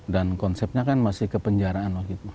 dan konsepnya kan masih kepenjaraan waktu itu